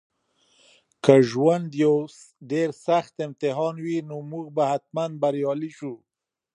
که ژوند یو ډېر سخت امتحان وي نو موږ به حتماً بریالي شو.